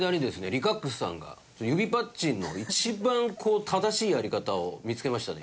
Ｌｉｃａｘｘｘさんが指パッチンの一番正しいやり方を見つけましたね